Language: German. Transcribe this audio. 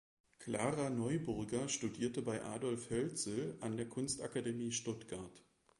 Klara Neuburger studierte bei Adolf Hölzel an der Kunstakademie Stuttgart.